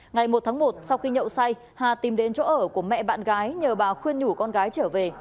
ngày một tháng một sau khi nhậu say hà tìm đến chỗ ở của mẹ bạn gái nhờ bà khuyên nhủ con gái trở về